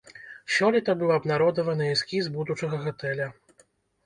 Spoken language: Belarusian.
Сёлета быў абнародаваны эскіз будучага гатэля.